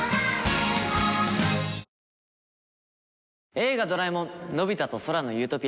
『映画ドラえもんのび太と空の理想郷』